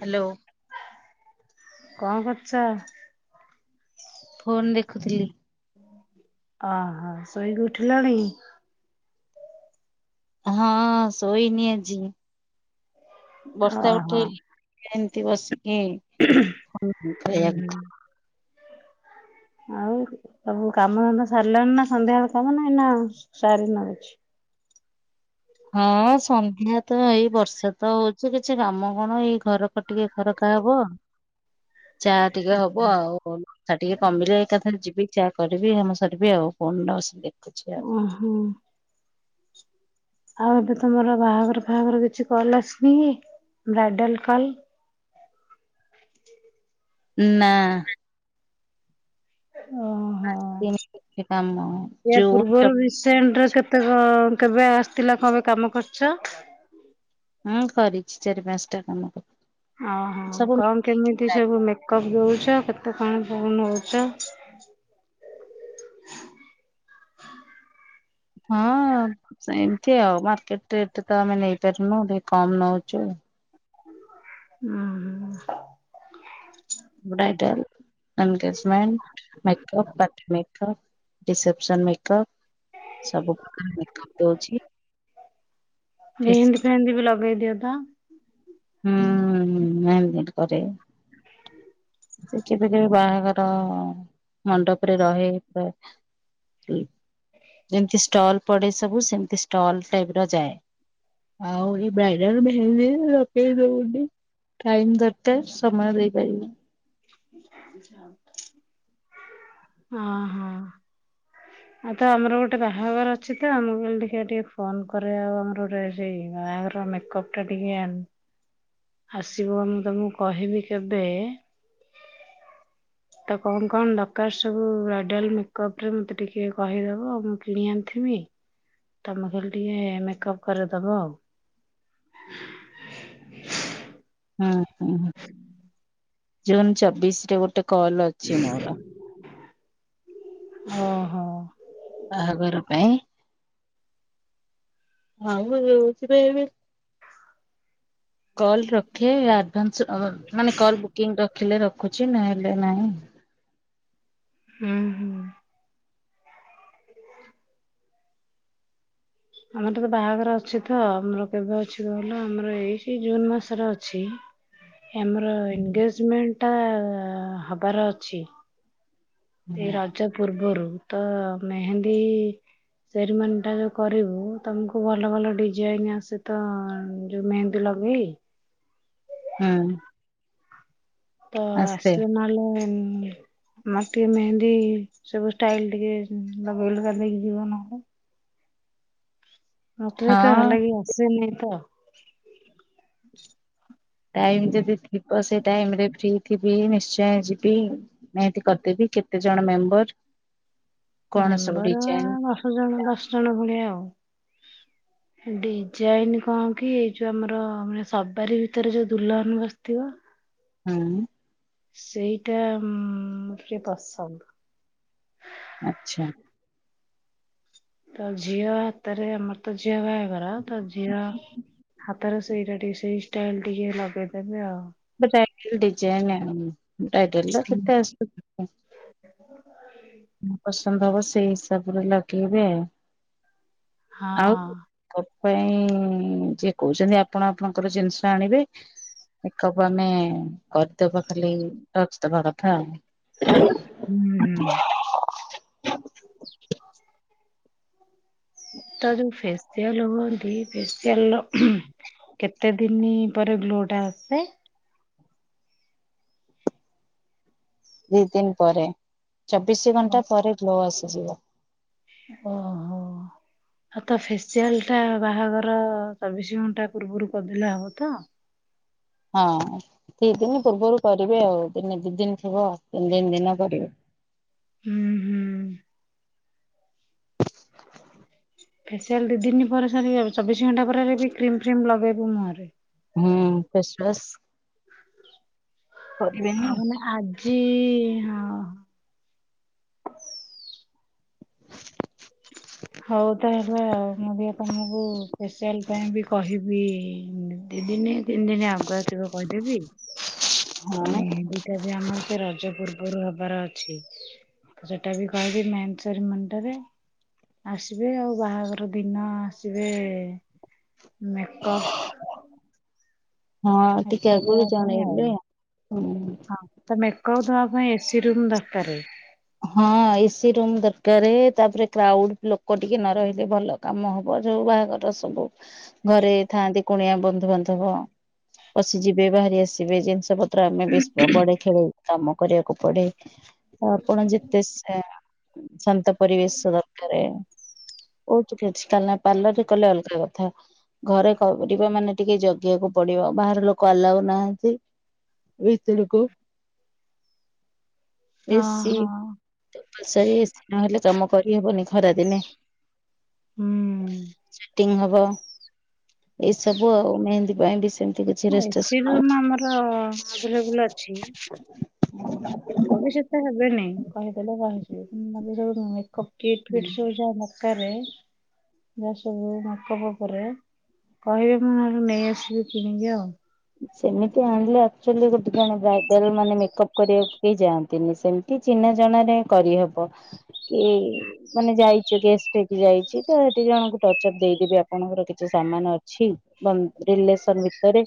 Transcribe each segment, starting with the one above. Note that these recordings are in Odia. ହାଲୋ। କଁ କରୁଛ। ଫୋନ ଦେଖୁଥିଲି। ଅ ହ ସୋଇକି ଉଠିଲଣି। ହଁ ଶୋଇନି ଆଜି। ବର୍ଷା ଓହୋ ଉଠେଇଚି ଏମିତି ବସିକି ଫୋନ ହୁଁ ଖେଳେଇ ବା ହୁଁ। କଥା। ଆଉ। ସବୁ କାମ ଧନ୍ଧା ସାରିଲାଣି ନା ସନ୍ଧ୍ୟାବେଳ କାମ ନାହିଁ ନା ସାରି ନ କିଛି। ହଁ ସନ୍ଧ୍ୟା ତ ଏଇ ବର୍ଷା ତ ହଉଛି କିଛି କାମ କଣ ଏଇ ଘର ଖ ଟିକେ ଖରକା ହବ। ଚା ଟିକେ ହବ ଆଉ କଣ ବର୍ଷା ଟିକେ କମିଲେ ଏକାଥରେ ଯିବି। ଚା କରିବି କମ ସରିବି ଆଉ ଫୋନ ଟା ବସିକି ଦେଖ ଉଁ ହୁଁ। ଆଉ ଏବେ ତମର ବାହାଘର ଫାହାଘର କିଛି କଲ ଆସିନି ବ୍ରାଇଡାଲ କଲ। ନା। ଓଃ। [unintelligible] ସେଣ୍ଡ ରେ କେତେ କଁ କେବେ ଆସିଥିଲା କବେ କାମ କରିଛ। ହଁ କରିଛି ଚାରି ପାଞ୍ଚଟା କାମ କରି ଓହୋ କଣ କେମିତି ସବୁ ମେକଅପ୍ ଦଉଛ କେତେ କଣ ସବୁ ନଉଛ ହଁ ସେମିତି ଆଉ ମାର୍କେଟ ରେଟ ତ ଆମେ ନେଇପାରନୁ ଟିକେ କମ ନଉଛୁ। ହୁଁ bridal, engagement, makeup, party makeup reception makeup ସବୁ ପ୍ରକାର ମେକଅପ ଦଉଛି। ଫେସି ମେହନ୍ଦୀ ଫେଏନ୍ଦୀ ବି ଲଗେଇ ଦିଅ ତ ହୁଁ ମେହେନ୍ଦି କରେ। ସେ କେବେ କେବେ ବାହାଘର ମଣ୍ଡପରେ ରହେ ତ ଯେମିତି ଷ୍ଟଲ ପଡେ ସବୁ ସେମତି ଷ୍ଟଲ ଟାଇପ ର ଯାଏ ଆଉ ଏ ବାଇଡଲ ମେହେନ୍ଦି ସେଇହଉନି ଟାଇମ ଦରକାର ସମୟ ଦେଇପାରିବିନି ହଁ ହଁ ଆଉ ତ ଆମର ଗୋଟେ ବାହାଘର ଅଛି ତ ଆମକୁ କହିଲି ଦେଖିୟା ଟିକେ ଫୋନ କରେ ଆଉ ଆମର ଗୋଟେ ସେଇ ବାହାଘର ମେକଅପ ଟା ଟିକେ ଆସିବ ମୁଁ ତମକୁ କହିବି କେବେ ତ କଣ କଣ ଦରକାର ସବୁ ବ୍ରାଇଡ଼ାଲ୍ ମେକଅପରେ ମୋତେ ଟିକେ କହିଦେବ ମୁଁ କିଣି ଆଣିଥିମି ତମେ ଖଲି ଟିକେ ମେକଅପ୍ କରିଦବ ଆଉ ହୁଁ ହୁଁ ଜୁନ ଚବିଶ ରେ ଗୋଟେ କଲ ଅଛି ମୋର ଓହୋ ବାହାଘର ପାଇଁ ଆଉ ମୁ ରହୁଛିବେ ଏବେ କଲ ରଖେ ଆଡଭାନ୍ସ ମାନେ କଲ ବୁକିଂ ରଖିଲେ ରଖୁଛି ଛି ନହେଲେ ନାଇଁ ହୁଁ ହୁଁ ଆମର ତ ବାହାଘର ଅଛି ତ ଆମର କେବେ ଅଛି ତ କହିଲ ଆମର ଏଇ ଜୁନ ମାସରେ ଅଛି। ଆମର ଏନଗେଜମେଣ୍ଟ ଟା ହବାର ଅଛି। ଏଇ ରଜ ପୂର୍ବରୁ ତ ମେହେନ୍ଦୀ ସେରିମନି ଟା ଯେଉ କରିବୁ ତମକୁ ଭଲ ଭଲ ଡିଜାଇନ୍ ଆ ସେ ତ ଯୋଉ ମେହେନ୍ଦୀ ଲଗେଇ ହୁଁ ତ ଆସେ ଆସିଲେ ନହେଲେ ଉଁ ମର ଟିକେ ମେହେନ୍ଦୀ ସବୁ ଷ୍ଟାଇଲ ଟିକେ ଲଗେଇ ଲୁଗା ଦେଇକି ଯିବ ନହେଲେ। ମୋଟରେ ତ ହଁ ଭଲ କି ଆସେନି ତ ଟାଇମ ଯଦି ଥିବ ସେ ଟାଇମରେ ଫ୍ରି ଥିବି ନିଶ୍ଚୟ ଯିବି। ମେହେନ୍ଦି କରିଦେବି କେତେ ଜଣ ମେମ୍ବର। କଣ ସବୁ ମେମ୍ବର ଡିଜାଇନ ଦଶ ଜଣ ଦଶ ଜଣ ଭଳିଆ ଆଉ। ଡିଜାଇନ କଣ କି ଏଇ ଯୋଉ ଆମର ମାନେ ସବାରି ଭିତରେ ଯୋଉ ଦୁଲ୍ହନ ବସିଥିବ। ହୁଁ ସେଇଟା ଉଁ ଟିକେ ପସନ୍ଦ। ଆଚ୍ଛା ତ ଝିଅ ହାତରେ ଆମର ତ ଝିଅ ବାହାଘର ତ ଝିଅ ହା ତାର ସେଇଟା ଟିକେ ସେଇ ଷ୍ଟାଇଲ ଟିକେ ଲଗେଇଦେବେ ଆଉ। ବ୍ରାଇଡଲ ଡିଜାଇନ ଆଉ ବ୍ରାଇଡାଲ୍ ର କେତେ ଆସୁ ପସନ୍ଦ ହବ ସେଇ ହିସାବରେ ଲଗେଇବେ। ହଁ ତୋ ପାଇଁ ଯିଏ କହୁଛନ୍ତି ଆପଣ ଆପଣଙ୍କର ଜିନିଷ ଆଣିବେ। କହିବୁ ଆମେ କତବ ଖାଲି ରଚି ଦବା କଥା ହୁଁ ହୁଁ [inaudible] ତ ଯୋଉ ଫେଶିଆଲ ହୁଅନ୍ତି ଫେସିଆଲ କେତେ ଦିନ ପରେ ଗ୍ଲୋଟା ଆସେ? ଦି ଦିନ ପରେ ଚବିଶି ଘଣ୍ଟା ପରେ ଗ୍ଲୋ ଆସିଯିବ। ଓହୋ ହଉ ତ ଫେସିଆଲ ଟା ବାହାଘର ଚବିଶି ଘଣ୍ଟା ପୂର୍ବରୁ କରିଦିଲା ହବ ତ? ହଁ ଦି ଦିନ ପୂର୍ବରୁ କରିବେ ଆଉ ଦିନ ଦି ଦିନ ଥିବ ତିନି ଦିନ ଦିନ କରିବେ। ହୁଁ ହୁଁ। ଫେସିଆଲ ଦି ଦିନ ପରେ ସାରିବ ଚବିଶ ଘଣ୍ଟା ପରେରେ ବି କ୍ରିମ ଫ୍ରିମ ଲଗେଇବୁ ମୁଁହରେ ହୁଁ ଫେଶ୍ୱସ ଆ ନା ମାନେ ଆଜି ହଁ। [inaudible] ହଉ, ତା ହେଲା ଆଉ ମୁଁ ବି ତମକୁ ଫେସ୍ସିଆଲ ପାଇଁ ବି କହିବି ଦିଦିନି। ତିନି ଦିନ ଆଗୁଆ ଥିବ କହିଦେବି। ହଁ ଆମେ [unintelligible] ରଜପର୍ବ ଗରୁ ହବାର ଅଛି, ତ ସେଟା ବି କହିବି ମେହନେଶରୀ ମୁଣ୍ଣ୍ଡରେ। ଆସିବେ, ଆଉ ବାହାଘର ଦିନ ଆସିବେ। ମେକପ୍ ହଁ, ଟିକେ ମେକଅପ୍ ଦବା ଆଗରୁ ପାଇଁ ଆଉ ଜଣେଇବେ ହଁ। ହଁ ମେକଅପ୍ ଦବା ପାଇଁ ଏସି ରୁମ୍ ଦରକାର। ହଁ, ଏସି ରୁମ୍ ଦରକାର। ତାପରେ କ୍ରାଉଡ ଲୋକ ଟିକେ ନ ରହିଲେ ଭଲ। କାମ ହବ, ଯୋଉ ବାହାଘର ସବୁ ଘରେ ଥାଆନ୍ତି କୁଣିଆ ବନ୍ଧୁବାନ୍ଧବ। ପଶଯିବେ, ବାହାରି ଆସିବେ, ଜିନିଷ ପତ୍ର ଆମେ ବି ବଢେ ଖେଳେଉ। କାମ କରିବାକୁ ପଡେ। [inaudible] ଆପଣ ଯେତେ ସେ ଶାନ୍ତ ପରିବେଶ ଦରକାର। ହଉ ଟିକେ ଅଛି। କାଲିନା ପାର୍ଲର ରେ କଲେ ଅଲଗା କଥା। ଘରେ କରିବା ମାନେ ଟିକେ ଜଗିବାକୁ ପଡିବ, ବାହାର ଲୋକ ଆଲାଉ ନାହାନ୍ତି। ଭିତରୁକୁ। ହଁ। [unintelligible] ହଁ। ଏସି ନହେଲେ କାମ କରିହବନି ଖରା ଦିନେ। ହୁଁ। ଚିଟିଂ ହବ ଏଇ ସବୁ ଆଉ ମେହେନ୍ଦୀ ପାଇଁ ବି ସେମତି ଏସି ରୁମ୍ ଆମର ଆଭେଲେବୁଲ ଅଛି। [unintelligible] ସାରେ ଯାହା ସବୁ ମେକଅପ୍ ଉପରେ କହିବେ, ମୁଁ ନହେଲେ ନେଇ ଆସିବି, କିଣିକି ଆଉ। ସେମିତି ଆଣିଲେ ଆକ୍ଚୁଲି, ଗୋଟେ ଜଣେ ବ୍ରାଇଡାଲ ମାନେ ମେକଅପ୍ କରିବାକୁ କେହି ଯାଆନ୍ତିନି ସେମତି। କି ଚିହ୍ନା ଜଣାରେ କରିହେବ କି? ମାନେ ଯାଇଛ ଗେଷ୍ଟ ହେଇକି। ଯାଇଛି ତ ସେଠି ଜଣଙ୍କୁ ଟଚ୍ ଅପ୍ ଦେଇଦେବି। ଆପଣଙ୍କର କିଛି ସାମାନ ଅଛି? ଏବଂ ରିଲେସନ ଭିତରେ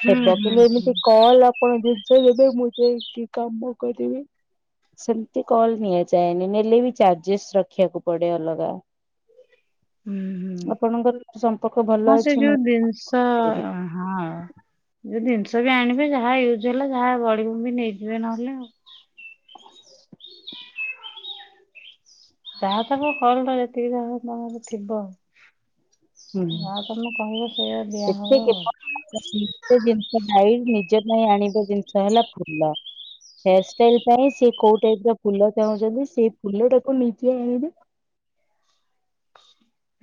ହୁଁ ହେବ, ହୁଁ କିନ୍ତୁ ହୁଁ। ଏମିତି କଲ ଆପଣ ଜିନିଷ ଦେବେ, ମୁଁ ଯାଇକି କାମ କରିବି। ସେମତି କଲ ନିଆଯାଏନି। ନେଲେ ବି ଚାର୍ଜେସ୍ ରଖିବାକୁ ପଡେ ଅଲଗା। [inaudible] ହୁଁ ଆପଣଙ୍କର ସମ୍ପର୍କ ହଁ ଭଲ ସେ ଅଛି ଯୋଉ ମୁଁ ଜିନିଷ - ହଁ। ଯୋଉ ଜିନିଷ ବି ଆଣିବେ ଯାହା ୟୁଜ ହେଲା ଯାହା ବଳିବ ନେଇଯିବେ ନହେଲେ ଆଉ ଯାହା ସବୁ ହଲ ଯେତିକି ଯାହା ବାହାରିଥିବ ହୁଁ ଯାହା ତମେ କହିବ ସେଇଆ ଦିଆହବ ଏଥିରେ ଆଉ- [unintelligible] ନିଜ ଜିନିଷ ଡାଇ ନିଜ ପାଇଁ ଆଣିବା ଜିନିଷ ହେଲା ଫୁଲ ହେୟାରଷ୍ଟାଇଲ ପାଇଁ ସେ କୋଉ ଟାଇପ ର ଫୁଲ ଚାହୁଁଛନ୍ତି ସେଇ ଫୁଲଟାକୁ ନିଜେ ଆଣିବେ-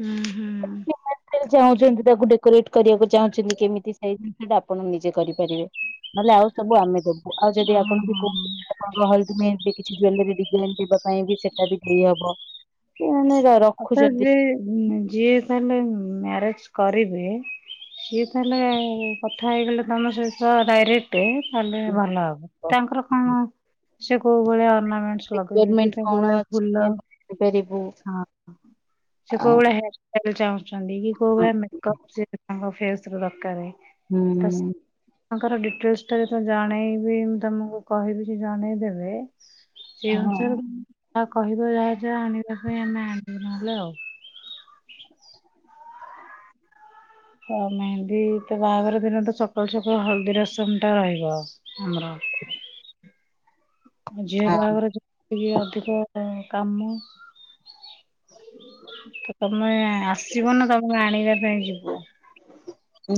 ହୁଁ ହୁଁ କେମିତି ଚାହୁଁଛନ୍ତି ତାକୁ ଡେକୋରେଟ୍ କରିବାକୁ ଚାହୁଁଛନ୍ତି କେମିତି ସେଇ ଜିନିଷ ଟା ଆପଣ ନିଜେ କରିପାରିବେ। ନହେଲେ ଆଉ ସବୁ ଆମେ ଦବୁ ଆଉ ଯଦି ଆପଣ ବି ଓହୋ। କହୁ ଆପ ହଲଦୀ ମେହେଦୀ କିଛି ଜୁଲାରୀ ଡିଜାଇନ ଦେବା ପାଇଁ ବି ସେଟା ବି ଦେଇହବ। [inaudible] ଅଥାତ ଯେ ଯିଏ ତାହଲେ ମ୍ୟାରେଜ କରିବେ ସିଏ ତାହଲେ କଥା ହେଇଗଲେ ତମ ସହିତ ଡାଇରେକ୍ଟ ଗଟେ ତାହେଲେ ଭଲ ହବ ତାଙ୍କର କଣ ସେ କୋଉ ଭଳିଆ ଅଣାମେଣ୍ଟ- ରିକ୍ୱାରମେଣ୍ଟ [unintelligible] ତାଙ୍କ କଣ ପରିକା ଅଛି ଫୁଲ ଆମେ ଜାଣିପାରିବୁ। ହଁ- ସେ ଆ କୋଉ ଭଳିଆ ହେୟାରଲ ଚାହୁଁଛନ୍ତି କି କୋଉ ହଁ ଭଳିଆ ମେକପ ତାଙ୍କ ଫେସ ତୋର ଦରକାର ନାହିଁ- ହୁଁ ତାଙ୍କର ଡିଟେଲସ ଟା ଯେତେବେଳେ ଜଣେଇବି ମୁଁ ତମକୁ କହିବି ସେ ଜଣେଇଦେବେ। ସେଇ ହଁ ଅନୁସାରେ ଯାହା କହିବ ଯାହା ଯାହା ଆଣିବା ପାଇଁ ଆମେ ଆଣିବୁ ନହେଲେ ଆଉ। ତ ମେହେନ୍ଦୀ ତ ବାହାଘର ଦିନଠୁ ସକାଳୁ ସକାଳୁ ହଳଦୀ ରସମ ଟା ରହିବ ଆମର। ହ। ଆ ଝିଅ ବାହାଘର ଅଧିକ କାମ। ତ ତମେ ଆସିବ ନା ତମକୁ ଆଣିବା ପାଇଁ ଯିବୁ।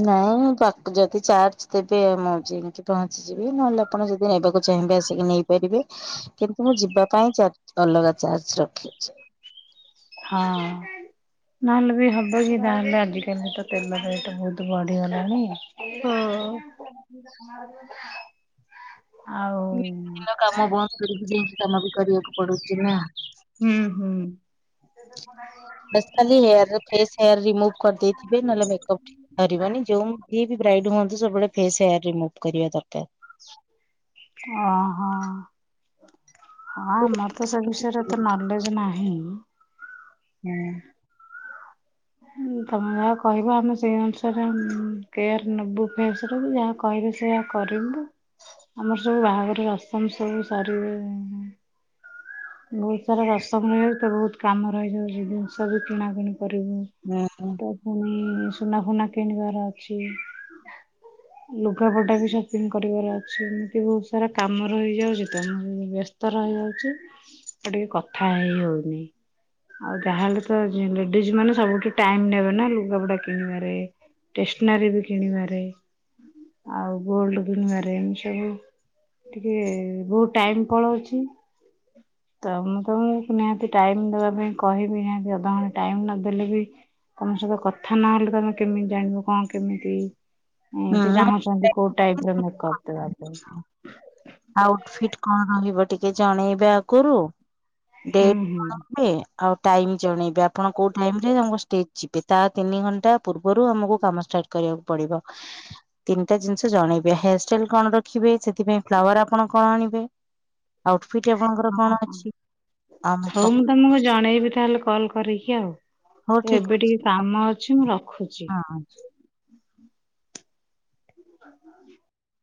ନାଇଁ ଯଦି ଚାର୍ଜ ଦେବେ ମୁଁ ଯାଇକି ପହଞ୍ଚିଯିବି ନହେଲେ- ଆପଣ ଯଦି ନେବାକୁ ଚାହିଁବେ ଆସିକି ନେଇପାରିବେ। କିନ୍ତୁ ମୁଁ ଯିବା ପାଇଁ ଚା ଅଲଗା ଚାର୍ଜ ରଖିଛି- ହଁ- ନହେଲେ ବି ହବ କିି ତାହେଲେ ଆଜିିକାଲି ତ ତେଲ ରେଟ ବହୁତ ବଢିଗଲାଣି। ହଁ। [inaudible] ଆଉ ଦିନ କାମ ବନ୍ଦ କରିକି ଯାଇକି କାମ ବି କରିବାକୁ- ପଡୁଛି ନା। [unintelligible] ହୁଁ ହୁଁ। ବ ଖାଲି ହେୟାର ଫସ୍ ହେୟାର ରିମୁଭ୍ କରିଦେଇଥିବେ ନହେଲେ ମେକପ୍- ଧରିବନି ଯୋଉିଏ ବି ବ୍ରାଇଟ୍ ହୁଅନ୍ତୁ ସବୁବେଳେ ଫେସୟାର ରିମୁଭ କରିବା ଦରକାର। ଓ ହୋ। ହଁ ହୁଁ ଆମର ତ ସେ ବିଷୟରେ ତ ନଲେଜ ନାହିଁ। ହୁଁ- ତମେ କହିବ ଆମେ ସେଇ ଅନୁସାରେ କେହାୟର ନେବୁ ଫେସରେ ଯାହା। କହିବି ସେୟ କରିବୁନୁ- ଆମର ସବୁ ବାହାଘର ରସମ୍ ସବୁ ସାରିବେ। ବହୁତ ସାରା ରସମ ରଯାଉ ତ ବହୁତ କାମ ରହିଯିବ ଜିନିଷ ବି କିଣାକିଣି କରିବୁ। ହୁଁ ହଁ। ତ ପୁଣି ସୁନା ଫୁନା କିଣିବାର ଅଛି। ଲୁଗାପଟା ବି ସପିଙ୍ଗ କରିବାର ଅଛି ଏମିତି ବହୁତ ସାରା କାମ ରହିଇଯାଉଛି ମୁଁ ବ୍ୟସ୍ତ- ତର ହେଇଯାଉଛି ଆ ଟିକେ କଥା ହେଇ ହଉନି। ଆଉ ଯାହା ହେଲେ ତ ଲେଡିଜ ମାନେ ସବୁଠି ଟାଇମ ନେବେ ନା ଲୁଗାପଟା କିଣିବାରେ ଷ୍ଟେସନାରୀ ବି କିଣିବାରେ। ଆଉ ଗୋଲଡ କିଣିବାରେ ଏମିତି ସବୁ। ଟିକେ ବହୁତ ଟାଇମ କଳ ଅଛି। ତମକୁ ମୁଁ ନିହାତି ଟାଇମ ଦବା ପାଇଁ କହିବି ନିହାତି ଅଧଘଣ୍ଟେ ଟାଇମ ନଦେଲେ ବି। ତମ ସହିତ କଥା ନହେଲେ ତମେ କେମିତି ଜାଣିବ କଣ କେମିତି। ସେ ଚାହୁଁଚନ୍ତି କୋଉ ଟାଇପ ର ମେକଅପ ଦେବା ପାଇଁ। ଆଉଟଫିଟ କଣ ରହିବ ଟିକେ ଜଣେଇବେ ଆଗରୁ ହୁଁ ଡେଟ ହୁଁ କଣ ନେବେ। ଆଉ ଟାଇମ ଜଣେଇବେ ଆପଣ କୋଉ ଟାଇମ ରେ ଆମ ଷ୍ଟେଜ ଯିବେ ତା ତିନି ଘଣ୍ଟା ପୂର୍ବରୁ ଆମକୁ କାମ ଷ୍ଟାର୍ଟ କରିବାକୁ ପଡିବ, ତିନିଟା ଜିନିଷ ଜଣେଇବ ହେୟାର ଷ୍ଟାଇଲ କଣ ରଖିବେ, ସେଥିପାଇଁ ଫ୍ଲାୱାର ଆପଣ କଣ ଆଣିବେ ଆଉଟଫିଟ୍ ଆପଣଙ୍କର କଣ ଅଛି ଆଉ ମେକଅପ ତୁମକୁ ଜଣେଇବି ତାହେଲେ କଲ୍ କରିକି ହଉ ଆଉ ଠିକ ଏବେ ଟିକେ ଅଛି କାମ ଅଛି ମୁଁ ରଖୁଚି। ହଁ। [inaudible]